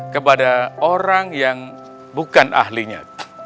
kepada orang yang bukan ahlinya